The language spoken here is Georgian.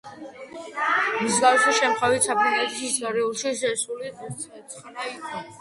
მსგავსი შემთხვევა საფრანგეთის ისტორიაში სულ ცხრა იყო.